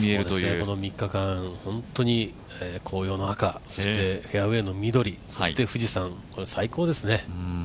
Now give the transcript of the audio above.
この３日間、紅葉の赤フェアウエーの緑そして富士山、最高ですね。